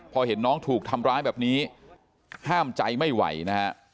พอเห็นน้องถูกทำร้ายแบบนี้ห้ามใจไม่ไหวนะฮะ